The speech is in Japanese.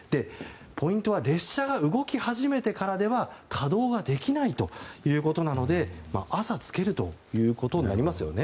ポイントは列車が動き始めてからでは稼働ができないということなので朝、つけるということになりますよね。